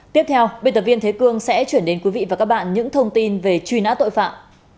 tiếp theo biên tập viên thế cương sẽ chuyển đến quý vị và các bạn những thông tin về truy nã tội phạm